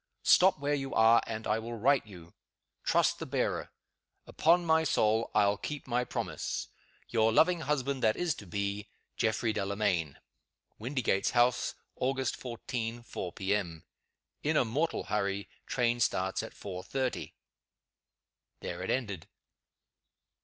Stop where you are, and I will write you. Trust the bearer. Upon my soul, I'll keep my promise. Your loving husband that is to be, "GEOFFREY DELAMAYN." WINDYGATES HOUSE, Augt. 14, 4 P. M. "In a mortal hurry. Train starts at 4.30." There it ended!